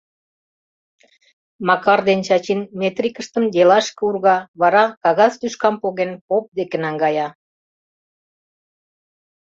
Макар ден Чачин метрикыштым делашке урга, вара, кагаз тӱшкам поген, поп деке наҥгая.